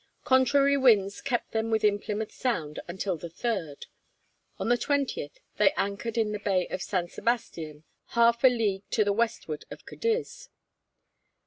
Contrary winds kept them within Plymouth Sound until the 3rd. On the 20th they anchored in the bay of St. Sebastian, half a league to the westward of Cadiz.